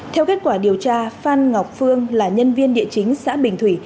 theo kết quả điều tra phan ngọc phương là nhân viên địa chính xã bình thủy